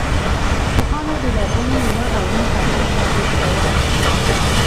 پوهانو د لرغوني یونان او روم فرهنګ تبلیغ کاوه.